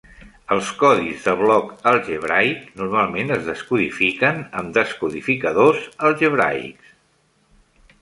Els codis de bloc algebraic normalment es descodifiquen amb descodificadors algebraics.